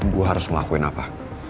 gue harus ngelakuin apa